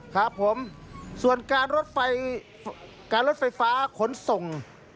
ครับผมส่วนการรถไฟฟ้าขนส่ง